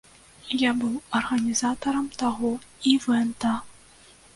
Я быў арганізатарам таго івэнта.